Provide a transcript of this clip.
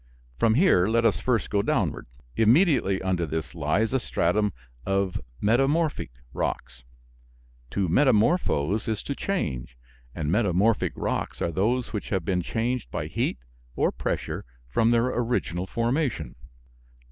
From here let us first go downward. Immediately under this lies a stratum of "Metamorphic" rocks. To metamorphose is to change; and metamorphic rocks are those which have been changed by heat or pressure from their original formation.